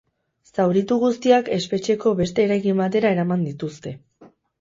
Zauritu guztiak espetxeko beste eraikin batera eraman dituzte.